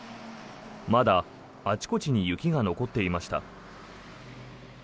まだあちこちに雪が残っていました。